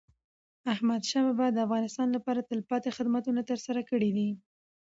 احمدشاه بابا د افغانستان لپاره تلپاتي خدمتونه ترسره کړي دي.